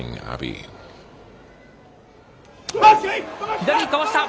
左にかわした。